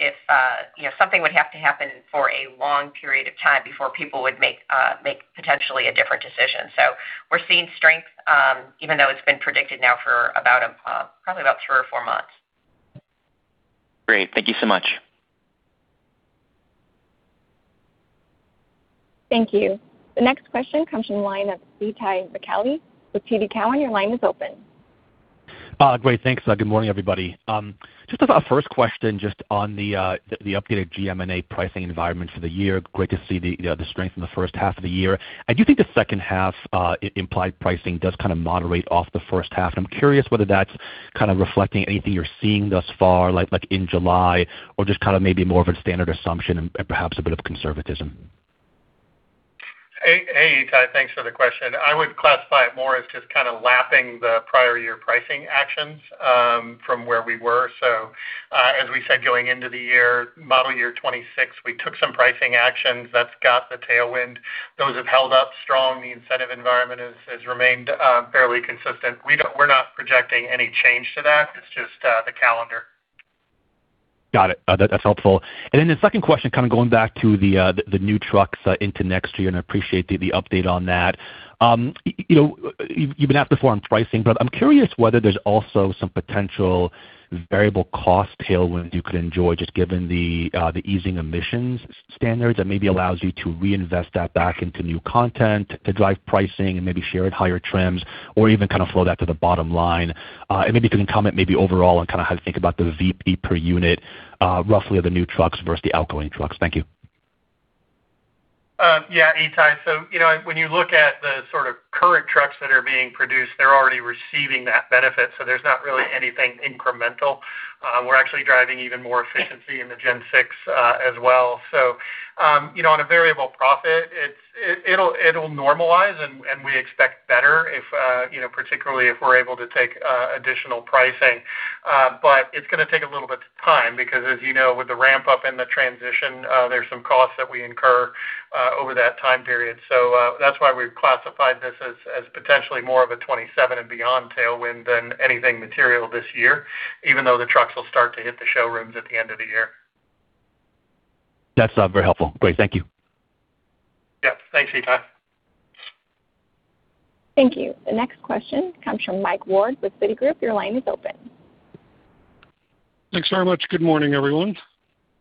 something would have to happen for a long period of time before people would make potentially a different decision. We're seeing strength even though it's been predicted now for probably about three or four months. Great. Thank you so much. Thank you. The next question comes from the line of Itay Michaeli with TD Cowen. Your line is open. Great. Thanks. Good morning, everybody. Just as a first question, just on the updated GMNA pricing environment for the year. Great to see the strength in the first half of the year. I do think the second half implied pricing does kind of moderate off the first half, and I'm curious whether that's kind of reflecting anything you're seeing thus far, like in July, or just kind of maybe more of a standard assumption and perhaps a bit of conservatism. Hey, Itay, thanks for the question. I would classify it more as just kind of lapping the prior year pricing actions from where we were. As we said, going into the year, model year 2026, we took some pricing actions that's got the tailwind. Those have held up strong. The incentive environment has remained fairly consistent. We're not projecting any change to that. It's just the calendar. Got it. That's helpful. Then the second question, kind of going back to the new trucks into next year, I appreciate the update on that. You've been asked before on pricing, but I'm curious whether there's also some potential variable cost tailwind you could enjoy, just given the easing emissions standards that maybe allows you to reinvest that back into new content to drive pricing and maybe share at higher trims or even kind of flow that to the bottom line. Maybe if you can comment maybe overall on kind of how to think about the VP per unit roughly of the new trucks versus the outgoing trucks. Thank you. Yeah, Itay, when you look at the sort of current trucks that are being produced, they're already receiving that benefit, there's not really anything incremental. We're actually driving even more efficiency in the Gen 6 as well. On a variable profit, it'll normalize and we expect better particularly if we're able to take additional pricing. It's going to take a little bit of time because as you know, with the ramp up in the transition, there's some costs that we incur over that time period. That's why we've classified this as potentially more of a 2027 and beyond tailwind than anything material this year, even though the trucks will start to hit the showrooms at the end of the year. That's very helpful. Great. Thank you. Yeah, thanks, Itay. Thank you. The next question comes from Mike Ward with Citigroup. Your line is open. Thanks very much. Good morning, everyone.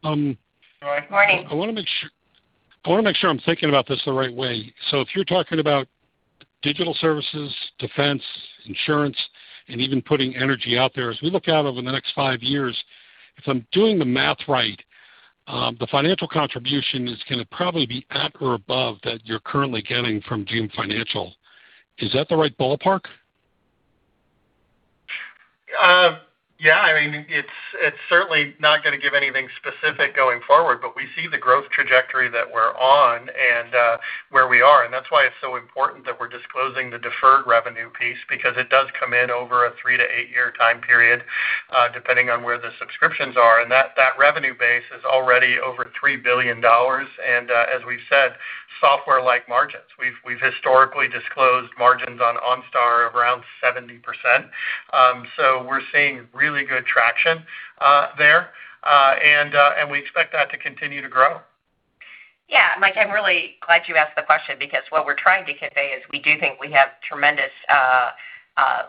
Good morning. Morning. I want to make sure I'm thinking about this the right way. If you're talking about digital services, defense, insurance, and even putting energy out there as we look out over the next five years, if I'm doing the math right, the financial contribution is going to probably be at or above that you're currently getting from GM Financial. Is that the right ballpark? Yeah. It's certainly not going to give anything specific going forward, we see the growth trajectory that we're on and where we are, that's why it's so important that we're disclosing the deferred revenue piece, because it does come in over a three- to eight-year time period, depending on where the subscriptions are. That revenue base is already over $3 billion and, as we've said, software-like margins. We've historically disclosed margins on OnStar around 70%. We're seeing really good traction there. We expect that to continue to grow. Yeah, Mike, I'm really glad you asked the question because what we're trying to convey is we do think we have tremendous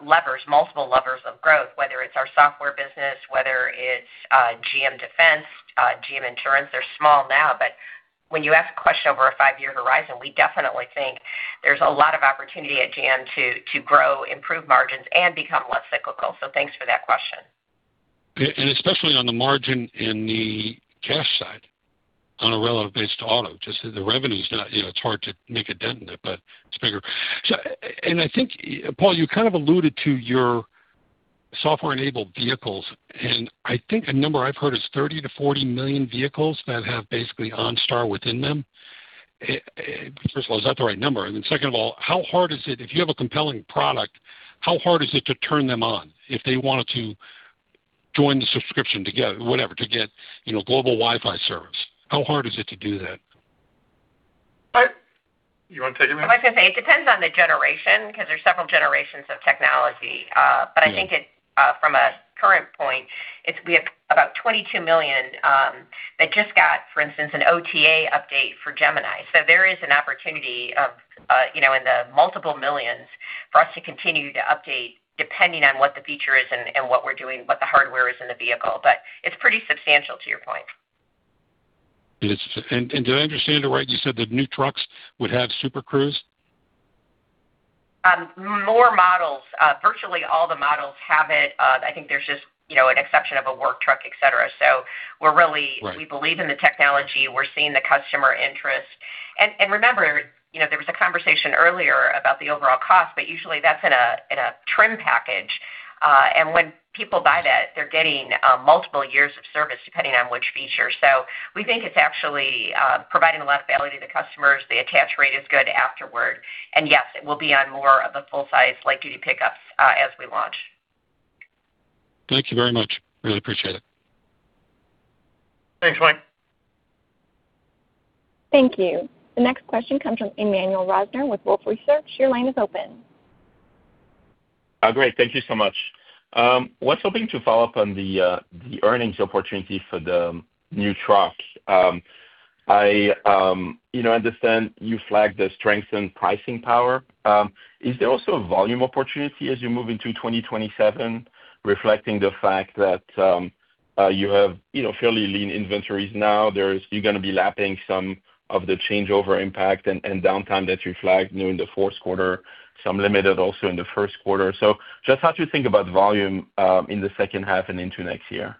levers, multiple levers of growth, whether it's our software business, whether it's GM Defense, GM Insurance. They're small now, but when you ask a question over a five-year horizon, we definitely think there's a lot of opportunity at GM to grow, improve margins, and become less cyclical. Thanks for that question. Especially on the margin in the cash side on a relative basis to auto, just the revenue's not, it's hard to make a dent in it, but it's bigger. I think, Paul, you kind of alluded to your software-enabled vehicles, and I think a number I've heard is 30 million-40 million vehicles that have basically OnStar within them. First of all, is that the right number? Second of all, how hard is it, if you have a compelling product, how hard is it to turn them on if they wanted to join the subscription to get global Wi-Fi service? How hard is it to do that? You want to take it, Mary? I was going to say, it depends on the generation, because there's several generations of technology. I think from a current point, we have about 22 million that just got, for instance, an OTA update for Gemini. There is an opportunity of in the multiple millions for us to continue to update depending on what the feature is and what we're doing, what the hardware is in the vehicle. It's pretty substantial to your point. Did I understand it right, you said that new trucks would have Super Cruise? More models. Virtually all the models have it. I think there's just an exception of a work truck, et cetera. We're. Right. We believe in the technology. We're seeing the customer interest. Remember, there was a conversation earlier about the overall cost, but usually that's in a trim package. When people buy that, they're getting multiple years of service, depending on which feature. We think it's actually providing a lot of value to the customers. The attach rate is good afterward. Yes, it will be on more of the full-size light-duty pickups as we launch. Thank you very much. Really appreciate it. Thanks, Mike. Thank you. The next question comes from Emmanuel Rosner with Wolfe Research. Your line is open. Great. Thank you so much. Was hoping to follow up on the earnings opportunity for the new truck. I understand you flagged the strength in pricing power. Is there also a volume opportunity as you move into 2027 reflecting the fact that you have fairly lean inventories now, you're going to be lapping some of the changeover impact and downtime that you flagged during the fourth quarter, some limited also in the first quarter. Just how to think about volume in the second half and into next year.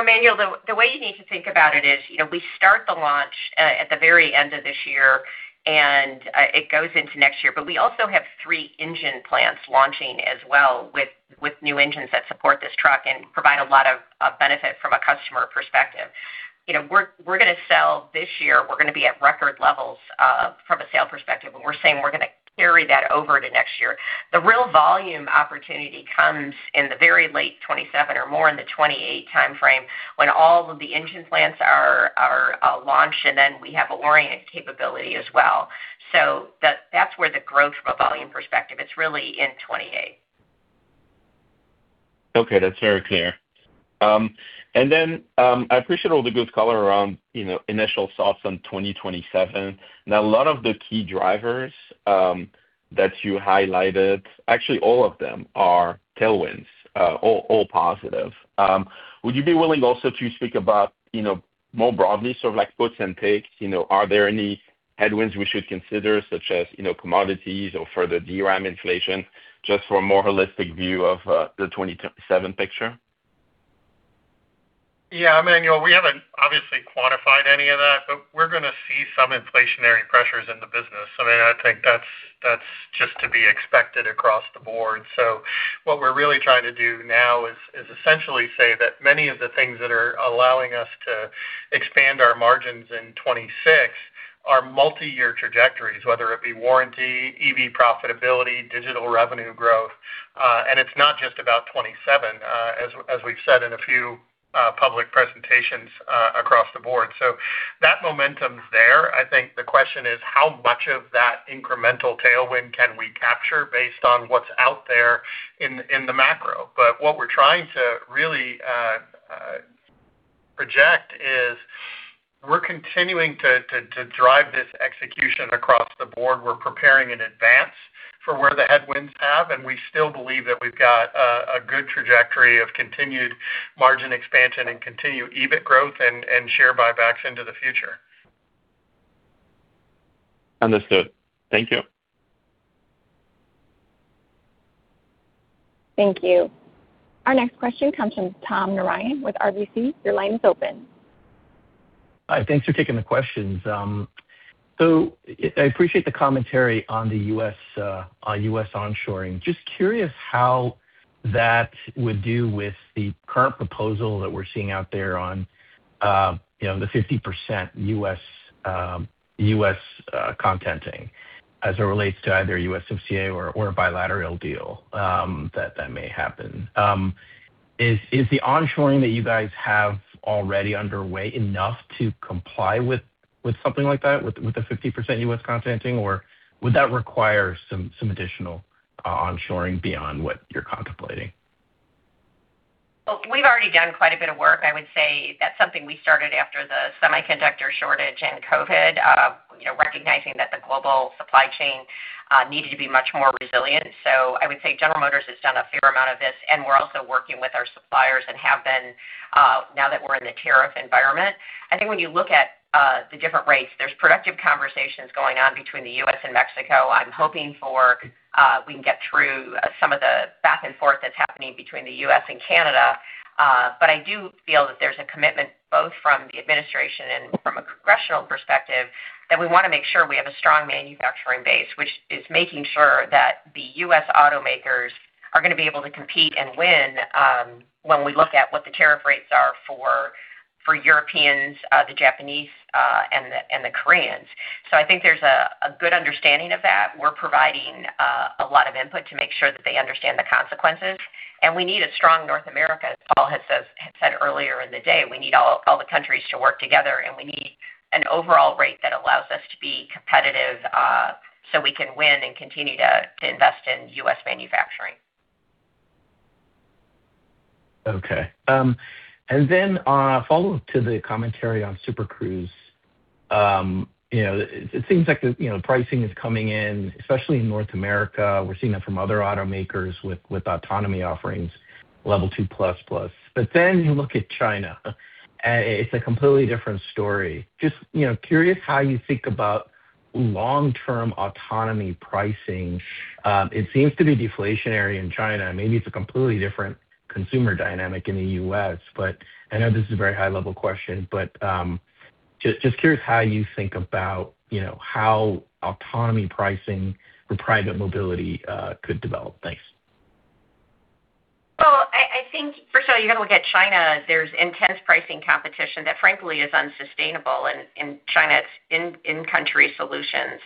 Emmanuel, the way you need to think about it is, we start the launch at the very end of this year, and it goes into next year. We also have three engine plants launching as well with new engines that support this truck and provide a lot of benefit from a customer perspective. We're going to sell this year, we're going to be at record levels, from a sales perspective, and we're saying we're going to carry that over to next year. The real volume opportunity comes in the very late 2027 or more in the 2028 timeframe, when all of the engine plants are launched, and then we have Orion capability as well. That's where the growth from a volume perspective, it's really in 2028. Okay, that's very clear. I appreciate all the good color around initial thoughts on 2027. Now a lot of the key drivers that you highlighted, actually all of them are tailwinds, all positive. Would you be willing also to speak about more broadly sort of like puts and takes? Are there any headwinds we should consider, such as commodities or further DRAM inflation, just for a more holistic view of the 2027 picture? Emmanuel, we haven't obviously quantified any of that, we're going to see some inflationary pressures in the business. I think that's just to be expected across the board. What we're really trying to do now is essentially say that many of the things that are allowing us to expand our margins in 2026 are multi-year trajectories, whether it be warranty, EV profitability, digital revenue growth. It's not just about 2027, as we've said in a few public presentations across the board. That momentum's there. I think the question is how much of that incremental tailwind can we capture based on what's out there in the macro. What we're trying to really project is we're continuing to drive this execution across the board. We're preparing in advance for where the headwinds have, we still believe that we've got a good trajectory of continued margin expansion and continued EBIT growth and share buybacks into the future. Understood. Thank you. Thank you. Our next question comes from Tom Narayan with RBC. Your line is open. Hi, thanks for taking the questions. I appreciate the commentary on the U.S. onshoring. Just curious how that would do with the current proposal that we're seeing out there on the 50% U.S. contenting as it relates to either USMCA or a bilateral deal that may happen. Is the onshoring that you guys have already underway enough to comply with something like that, with the 50% U.S. contenting, or would that require some additional onshoring beyond what you're contemplating? Well, we've already done quite a bit of work. I would say that's something we started after the semiconductor shortage and COVID, recognizing that the global supply chain needed to be much more resilient. I would say General Motors has done a fair amount of this, and we're also working with our suppliers and have been, now that we're in the tariff environment. I think when you look at the different rates, there's productive conversations going on between the U.S. and Mexico. I'm hoping for we can get through some of the back and forth that's happening between the U.S. and Canada. I do feel that there's a commitment, both from the administration and from a congressional perspective, that we want to make sure we have a strong manufacturing base, which is making sure that the U.S. automakers are going to be able to compete and win, when we look at what the tariff rates are for Europeans, the Japanese, and the Koreans. I think there's a good understanding of that. We're providing a lot of input to make sure that they understand the consequences, and we need a strong North America, as Paul had said earlier in the day. We need all the countries to work together, and we need an overall rate that allows us to be competitive, so we can win and continue to invest in U.S. manufacturing. Okay. A follow-up to the commentary on Super Cruise. It seems like the pricing is coming in, especially in North America. We're seeing that from other automakers with autonomy offerings, Level 2++. You look at China, and it's a completely different story. Just curious how you think about long-term autonomy pricing. It seems to be deflationary in China. Maybe it's a completely different consumer dynamic in the U.S., but I know this is a very high-level question, but just curious how you think about how autonomy pricing for private mobility could develop. Thanks. Well, I think, first of all, you got to look at China. There's intense pricing competition that frankly, is unsustainable in China in country solutions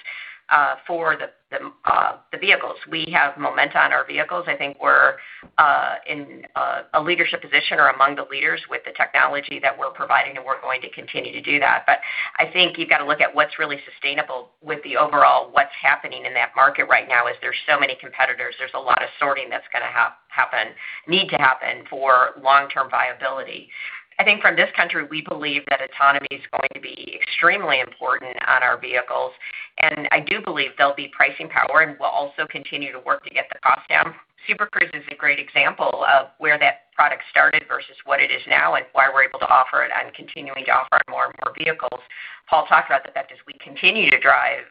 for the vehicles. We have momentum on our vehicles. I think we're in a leadership position or among the leaders with the technology that we're providing, and we're going to continue to do that. I think you've got to look at what's really sustainable with the overall what's happening in that market right now, as there's so many competitors. There's a lot of sorting that's going to need to happen for long-term viability. I think from this country, we believe that autonomy is going to be extremely important on our vehicles, and I do believe there'll be pricing power, and we'll also continue to work to get the cost down. Super Cruise is a great example of where that product started versus what it is now, why we're able to offer it and continuing to offer it on more and more vehicles. Paul talked about the fact as we continue to drive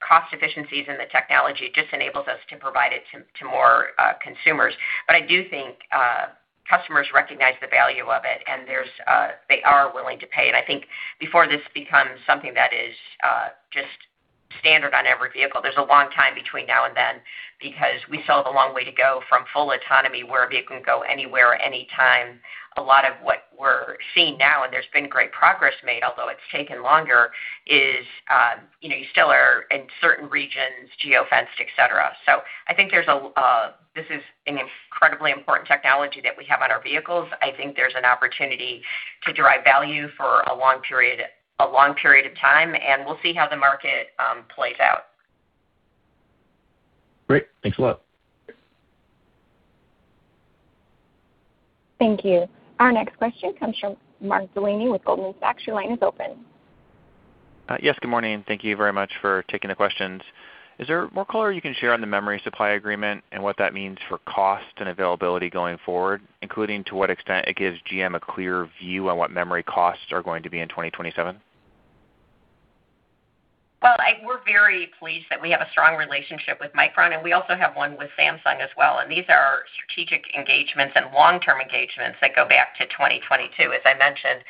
cost efficiencies in the technology, it just enables us to provide it to more consumers. I do think customers recognize the value of it, and they are willing to pay. I think before this becomes something that is just standard on every vehicle, there's a long time between now and then because we still have a long way to go from full autonomy where a vehicle can go anywhere at any time. A lot of what we're seeing now, and there's been great progress made, although it's taken longer, is you still are in certain regions, geo-fenced, et cetera. I think this is an incredibly important technology that we have on our vehicles. I think there's an opportunity to derive value for a long period of time, and we'll see how the market plays out. Great. Thanks a lot. Thank you. Our next question comes from Mark Delaney with Goldman Sachs. Your line is open. Yes, good morning. Thank you very much for taking the questions. Is there more color you can share on the memory supply agreement and what that means for cost and availability going forward, including to what extent it gives GM a clear view on what memory costs are going to be in 2027? Well, we're very pleased that we have a strong relationship with Micron, and we also have one with Samsung as well. These are strategic engagements and long-term engagements that go back to 2022. As I mentioned,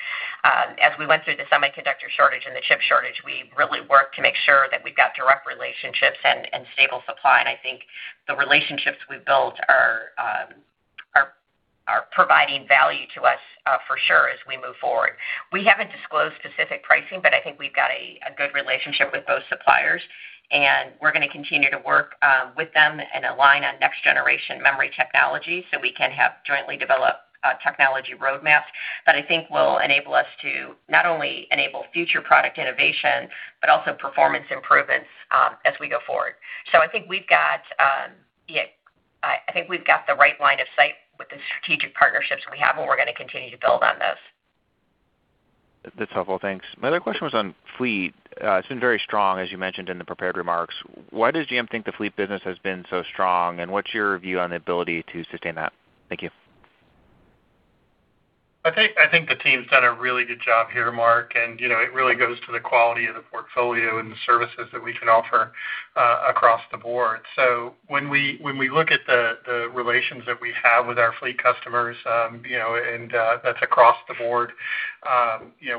as we went through the semiconductor shortage and the chip shortage, we really worked to make sure that we've got direct relationships and stable supply. I think the relationships we've built are providing value to us for sure, as we move forward. We haven't disclosed specific pricing, but I think we've got a good relationship with both suppliers and we're going to continue to work with them and align on next generation memory technology so we can have jointly developed technology roadmaps that I think will enable us to not only enable future product innovation, but also performance improvements as we go forward. I think we've got the right line of sight with the strategic partnerships we have, and we're going to continue to build on those. That's helpful. Thanks. My other question was on fleet. It's been very strong, as you mentioned in the prepared remarks. Why does GM think the fleet business has been so strong, and what's your view on the ability to sustain that? Thank you. I think the team's done a really good job here, Mark, it really goes to the quality of the portfolio and the services that we can offer across the board. When we look at the relations that we have with our fleet customers, and that's across the board,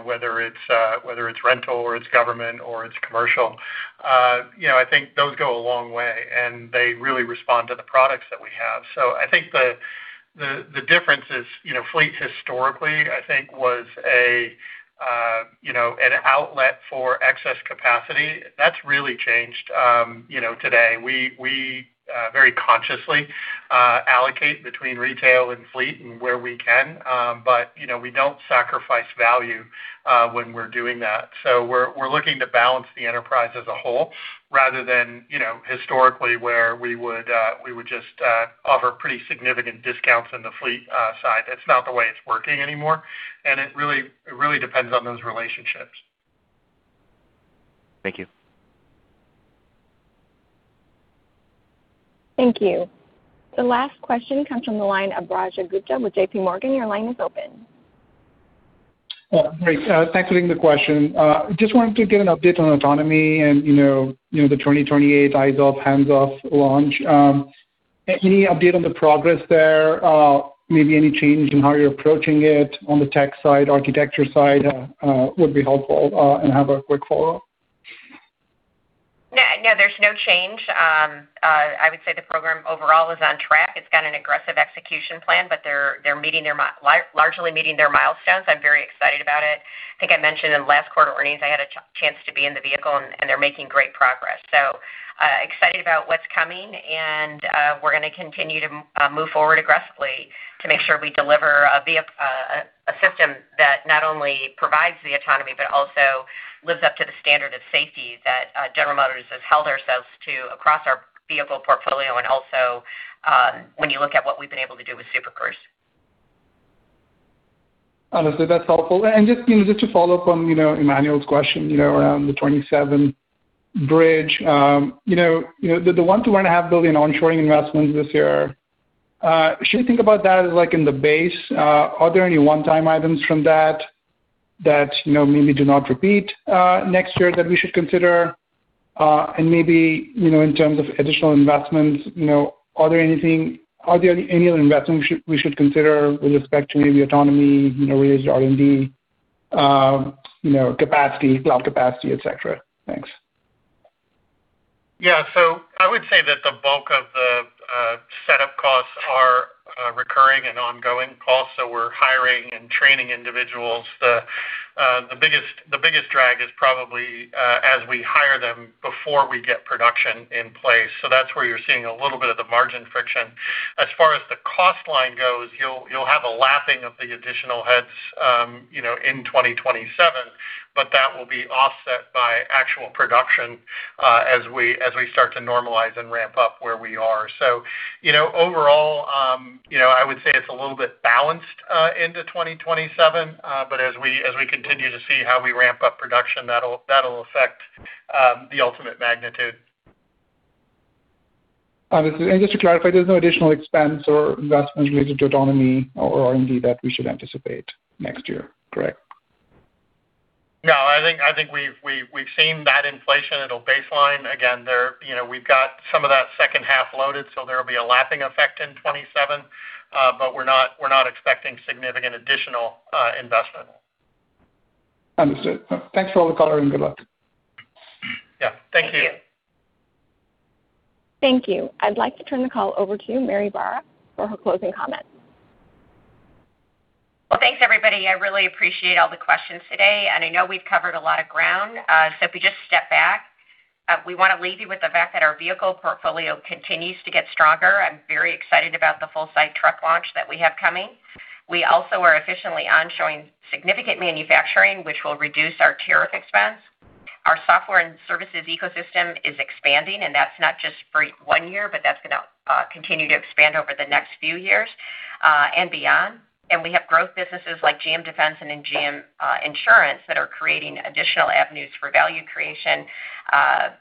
whether it's rental or it's government or it's commercial, I think those go a long way, and they really respond to the products that we have. I think the difference is, fleets historically, I think was an outlet for excess capacity. That's really changed today. We very consciously allocate between retail and fleet and where we can, but we don't sacrifice value when we're doing that. We're looking to balance the enterprise as a whole, rather than historically where we would just offer pretty significant discounts on the fleet side. That's not the way it's working anymore, and it really depends on those relationships. Thank you. Thank you. The last question comes from the line of Rajat Gupta with JPMorgan. Your line is open. Oh, great. Thanks for taking the question. Just wanted to get an update on autonomy and the 2028 eyes-off, hands-off launch. Any update on the progress there? Maybe any change in how you're approaching it on the tech side, architecture side would be helpful, and have a quick follow-up. No, there's no change. I would say the program overall is on track. It's got an aggressive execution plan, but they're largely meeting their milestones. I'm very excited about it. I think I mentioned in last quarter earnings, I had a chance to be in the vehicle, and they're making great progress. Excited about what's coming, and we're going to continue to move forward aggressively to make sure we deliver a system that not only provides the autonomy, but also lives up to the standard of safety that General Motors has held ourselves to across our vehicle portfolio and also when you look at what we've been able to do with Super Cruise. Understood, that's helpful. Just to follow up on Emmanuel's question around the 2027 bridge. The $1 billion-$1.5 billion onshoring investments this year, should we think about that as like in the base? Are there any one-time items from that maybe do not repeat next year that we should consider? Maybe, in terms of additional investments, are there any other investments we should consider with respect to maybe autonomy, related to R&D, capacity, cloud capacity, et cetera? Thanks. Yeah. I would say that the bulk of the setup costs are recurring and ongoing costs. We're hiring and training individuals. The biggest drag is probably as we hire them before we get production in place. That's where you're seeing a little bit of the margin friction. As far as the cost line goes, you'll have a lapping of the additional heads in 2027, but that will be offset by actual production as we start to normalize and ramp up where we are. Overall, I would say it's a little bit balanced into 2027. As we continue to see how we ramp up production, that'll affect the ultimate magnitude. Understood. Just to clarify, there's no additional expense or investment related to autonomy or R&D that we should anticipate next year, correct? No, I think we've seen that inflation. It'll baseline. Again, we've got some of that second half loaded, so there'll be a lapping effect in 2027. We're not expecting significant additional investment. Understood. Thanks for all the color, and good luck. Yeah. Thank you. Thank you. I'd like to turn the call over to Mary Barra for her closing comments. Well, thanks, everybody. I really appreciate all the questions today, and I know we've covered a lot of ground. If we just step back, we want to leave you with the fact that our vehicle portfolio continues to get stronger. I'm very excited about the full-size truck launch that we have coming. We also are efficiently onshoring significant manufacturing, which will reduce our tariff expense. Our software and services ecosystem is expanding, and that's not just for one year, but that's going to continue to expand over the next few years and beyond. We have growth businesses like GM Defense and GM Insurance that are creating additional avenues for value creation,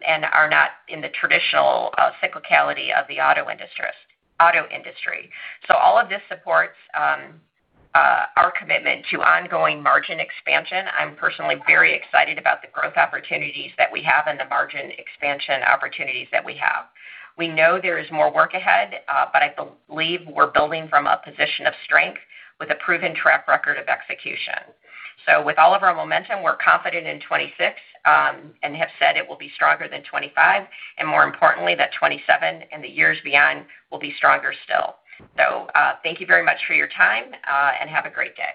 and are not in the traditional cyclicality of the auto industry. All of this supports our commitment to ongoing margin expansion. I'm personally very excited about the growth opportunities that we have and the margin expansion opportunities that we have. We know there is more work ahead, but I believe we're building from a position of strength with a proven track record of execution. With all of our momentum, we're confident in 2026, and have said it will be stronger than 2025. More importantly, that 2027 and the years beyond will be stronger still. Thank you very much for your time, and have a great day.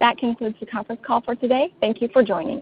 That concludes the conference call for today. Thank you for joining.